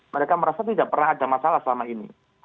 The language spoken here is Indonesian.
mereka merasa tidak pernah ada masalah selama ini